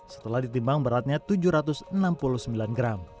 setelah ditimbang beratnya tujuh ratus enam puluh sembilan gram